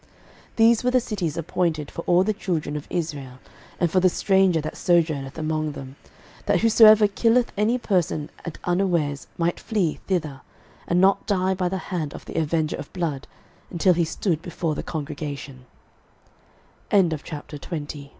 06:020:009 These were the cities appointed for all the children of Israel, and for the stranger that sojourneth among them, that whosoever killeth any person at unawares might flee thither, and not die by the hand of the avenger of blood, until he stood befo